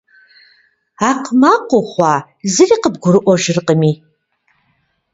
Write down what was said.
Акъмыкъ ухъуа, зыри къыбгурыӏуэжыркъыми?